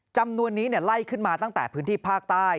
จำนวนนี้ไล่ขึ้นมาตั้งแต่พื้นที่ภาคใต้